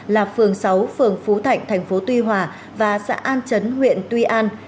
là phường sáu phường phú thạnh thành phố tuy hòa và xã an chấn huyện tuy an